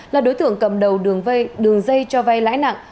là đối tượng cầm đầu đường dây cho vay lãi nặng